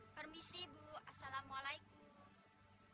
permisi ibu assalamualaikum